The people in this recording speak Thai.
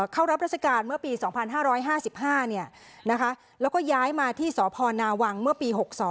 เข้ารับราชการเมื่อปี๒๕๕๕แล้วก็ย้ายมาที่สพนาวังเมื่อปี๖๒